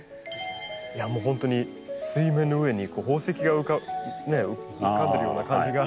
いやもう本当に水面の上に宝石がね浮かんでるような感じがあって。